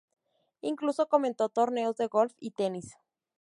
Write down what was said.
Incluso comentó torneos de golf y tenis.